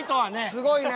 すごいね！